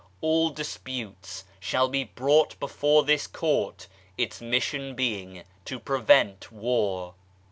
All disputes shall be brought before this Court, its mission being to prevent war.